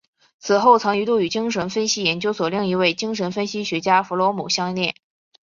此后曾一度与精神分析研究所另一位精神分析学家弗洛姆相恋。